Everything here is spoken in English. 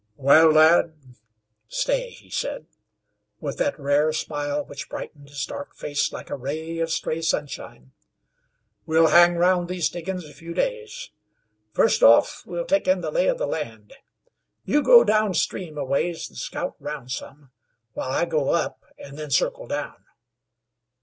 "Wal, lad, stay," he said, with that rare smile which brightened his dark face like a ray of stray sunshine. "We'll hang round these diggins a few days. First off, we'll take in the lay of the land. You go down stream a ways an' scout round some, while I go up, an' then circle down.